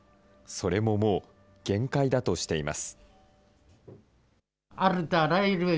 それももう、限界だとしています。